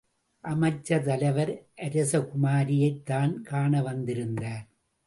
அமைச்சர் தலைவர் அரசகுமாரியைத்தான் காண வந்திருந்தார்.